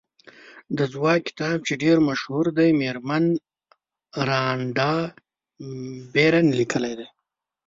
د ځواک کتاب چې ډېر مشهور دی مېرمن رانډا بېرن لیکلی دی.